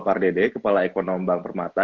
pak r dede kepala ekonom bang permata